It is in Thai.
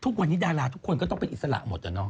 ทุกวันนี้ดาราทุกคนก็ต้องเป็นอิสระหมดอะเนาะ